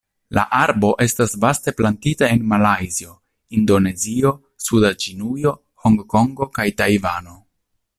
La arbo estas vaste plantita en Malajzio, Indonezio, suda Ĉinujo, Hongkongo kaj Tajvano.